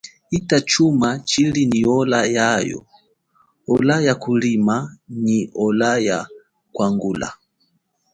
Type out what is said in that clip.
Hita chuma tshili nyi ola yacho ola ya kulima nyi ola ya kwangula.